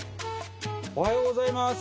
おはようございます！